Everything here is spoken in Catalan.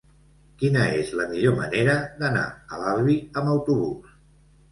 Quina és la millor manera d'anar a l'Albi amb autobús?